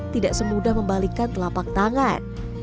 dia gak semudah membalikkan telapak tangan